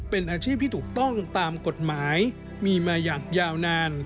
เป็นอาชีพที่ถูกต้องตามกฎหมายมีมาอย่างยาวนาน